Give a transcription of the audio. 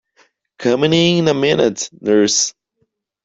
Coming in a minute, nurse!